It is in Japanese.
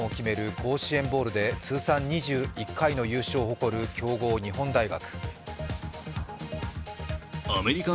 甲子園ボウルで通算２１回の優勝を誇る強豪・日本大学。